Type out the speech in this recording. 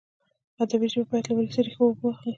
ادبي ژبه باید له ولسي ریښو اوبه واخلي.